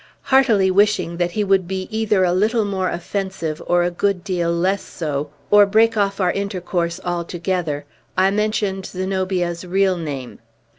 Heartily wishing that he would be either a little more offensive, or a good deal less so, or break off our intercourse altogether, I mentioned Zenobia's real name.